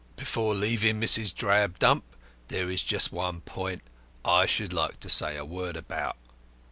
"Before leaving Mrs. Drabdump, there is just one point I should like to say a word about.